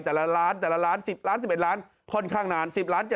แต่ละล้านแต่ละล้าน๑๐ล้าน๑๑ล้านค่อนข้างนาน๗๐